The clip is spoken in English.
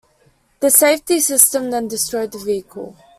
The safety system then destroyed the vehicle.